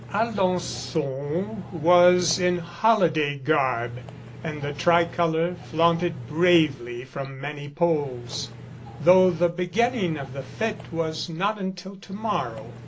Alen9on was in holiday garb and the tricolor flaunted bravely from many poles, though the beginning of the fete was not until to morrow.